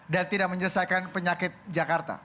tidak menyelesaikan penyakit jakarta